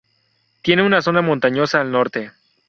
Tiene una zona montañosa al norte.